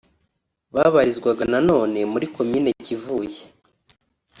Babarizwaga na none muri Komini Kivuye